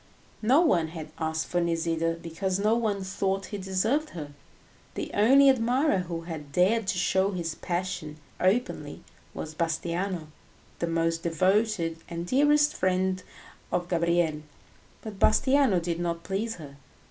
No one had asked for Nisida because no one thought he deserved her. The only admirer who had dared to show his passion openly was Bastiano, the most devoted and dearest friend of Gabriel; but Bastiano did not please her.